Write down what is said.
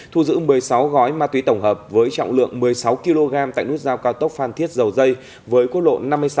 thu giữ một mươi sáu gói ma túy tổng hợp với trọng lượng một mươi sáu kg tại nút giao cao tốc phan thiết dầu dây với quốc lộ năm mươi sáu